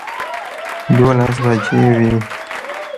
دولس بجې وې